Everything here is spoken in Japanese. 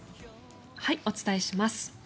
お伝えします。